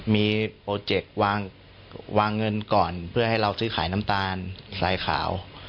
มีโปรเจกต์วางเงินก่อนเพื่อให้เราซื้อขายน้ำตาลสายขาว